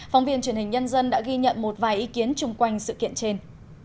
phóng viên truyền hình nhân dân đã ghi nhận một vài ý kiến chung quanh sự kiện trên